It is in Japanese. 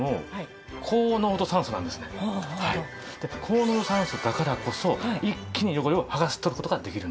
高濃度酸素だからこそ一気に汚れを剥がし取る事ができるんです。